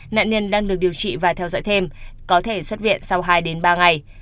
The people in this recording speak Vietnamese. nạn nhân đang được điều trị và theo dõi thêm có thể xuất viện sau hai ba ngày